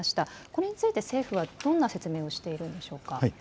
これについて政府はどんな説明をしているんでしょうか。